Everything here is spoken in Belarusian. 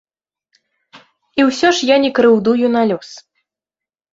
І ўсё ж я не крыўдую на лёс.